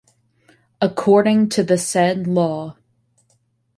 According to the said law.